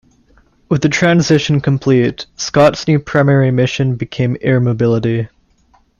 With the transition complete, Scott's new primary mission became air mobility.